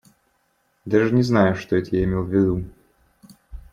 Даже не знаю, что это я имел в виду.